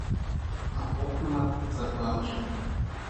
A gopola tsa kwa a tswang.